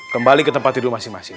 kembali ke tempat tidur masing masing